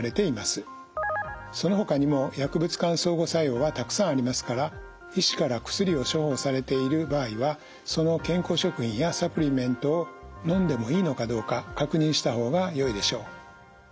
そのほかにも薬物間相互作用はたくさんありますから医師から薬を処方されている場合はその健康食品やサプリメントをのんでもいいのかどうか確認した方がよいでしょう。